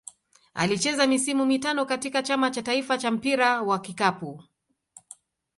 Alicheza misimu mitano katika Chama cha taifa cha mpira wa kikapu.